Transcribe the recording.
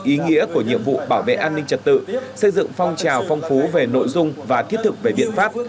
ý nghĩa của nhiệm vụ bảo vệ an ninh trật tự xây dựng phong trào phong phú về nội dung và thiết thực về biện pháp